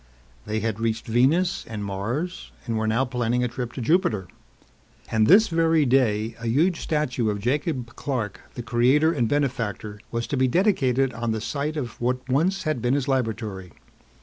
They had reached Venus and Mars and were now planning a trip to Jupiter. And this very day, a huge statue of Jacob Clark, the creator and benefactor, was to be dedicated on the site of what once had been his laboratory.